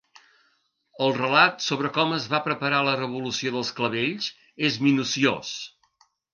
El relat sobre com es va preparar la revolució dels clavells és minuciós.